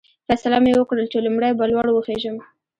فیصله مې وکړل چې لومړی به لوړ وخېژم.